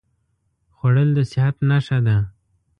خوړل د صحت نښه ده